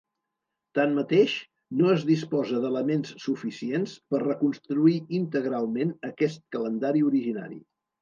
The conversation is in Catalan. Tanmateix, no es disposa d'elements suficients per reconstruir integralment aquest calendari originari.